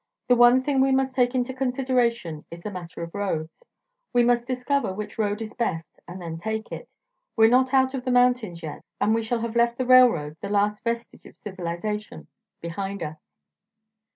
The one thing we must take into consideration is the matter of roads. We must discover which road is the best and then take it. We're not out of the mountains yet, and we shall have left the railroad, the last vestige of civilization, behind us."